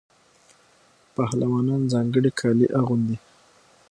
پهلوانان ځانګړي کالي اغوندي.